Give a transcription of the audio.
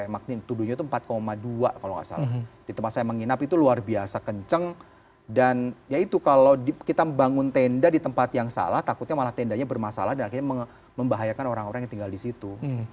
magnitudonya itu empat dua kalau nggak salah di tempat saya menginap itu luar biasa kenceng dan ya itu kalau kita membangun tenda di tempat yang salah takutnya malah tendanya bermasalah dan akhirnya membahayakan orang orang yang tinggal di situ